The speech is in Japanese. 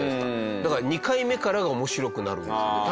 だから２回目からが面白くなるんですよね多分。